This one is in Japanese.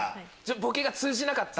ボケが通じなかった！